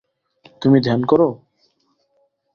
তুমি ধ্যান করো?